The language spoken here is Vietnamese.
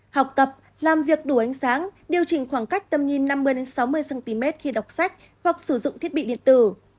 học tập làm việc đủ ánh sáng điều chỉnh khoảng cách tầm nhìn năm mươi sáu mươi cm khi đọc sách hoặc sử dụng thiết bị điện tử